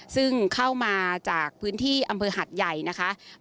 ซึ่งเข้ามาจากพื้นที่อำเภอหัดใหญ่นะคะ